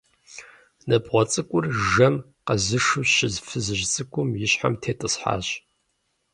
Ныбгъуэ цӀыкӀур жэм къэзышу щыс фызыжь цӀыкӀум и щхьэм тетӀысхьащ.